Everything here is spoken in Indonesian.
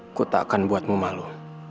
aku tak akan buatmu malu